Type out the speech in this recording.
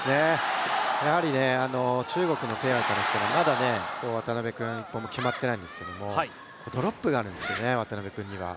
やはり中国のペアからしたらまだ渡辺君、決まってないんですけどドロップがあるんですよね、渡辺君には。